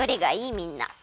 みんな。